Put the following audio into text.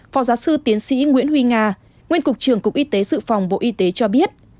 phó giáo sư tiến sĩ nguyễn huy nga nguyên cục trưởng cục y tế dự phòng bộ y tế cho biết